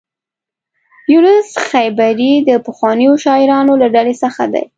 یونس خیبري د پخوانیو شاعرانو له ډلې څخه دی.